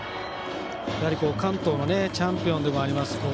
やはり関東のチャンピオンでもあります